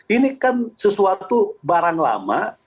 ini kan sesuatu barang lama